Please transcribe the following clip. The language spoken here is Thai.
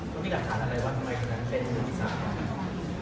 เขาไม่ได้ถามอะไรว่ะทำไมคุณนั้นเป็น